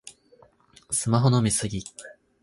スマホの見過ぎ